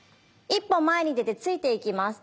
一歩前に出て突いていきます。